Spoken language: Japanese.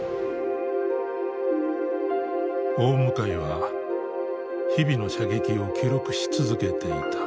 大向は日々の射撃を記録し続けていた。